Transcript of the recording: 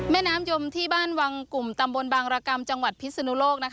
แม่น้ำยมที่บ้านวังกลุ่มตำบลบางรกรรมจังหวัดพิศนุโลก